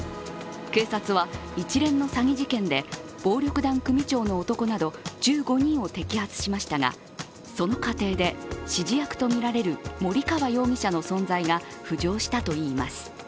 警察は一連の詐欺事件で暴力団組長の男など１５人を摘発しましたがその過程で指示役とみられる森川容疑者の存在が浮上したといいます。